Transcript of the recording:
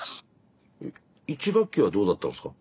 １学期はどうだったんですか？